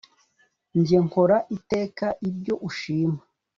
njye nkora iteka ibyo ushima